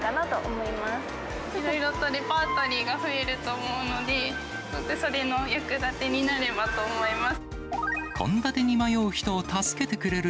いろいろとレパートリーが増えると思うので、それの役立てになればと思います。